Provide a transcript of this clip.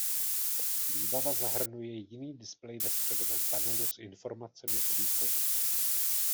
Výbava zahrnuje jiný displej ve středovém panelu s informacemi o výkonu.